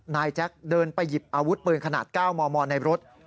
แจ๊คเดินไปหยิบอาวุธปืนขนาด๙มมในรถ